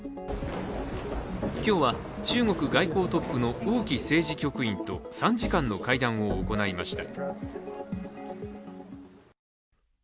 今日は中国外交トップの王毅政治局員と３時間の会談を行いました。